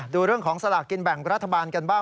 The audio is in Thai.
ดูเรื่องของสลากกินแบ่งรัฐบาลกันบ้าง